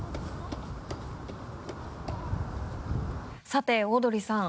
さてオードリーさん。